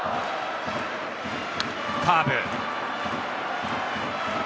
カーブ。